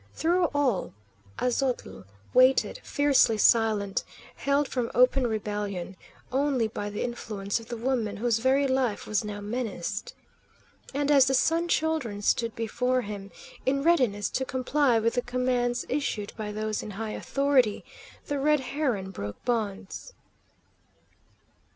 Through all, Aztotl waited, fiercely silent, held from open rebellion only by the influence of the woman whose very life was now menaced. And as the Sun Children stood before him, in readiness to comply with the commands issued by those in high authority, the Red Heron broke bonds.